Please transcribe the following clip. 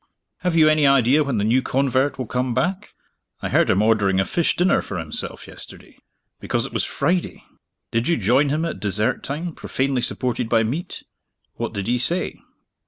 Have you any idea when the new convert will come back? I heard him ordering a fish dinner for himself, yesterday because it was Friday. Did you join him at dessert time, profanely supported by meat? What did he say?"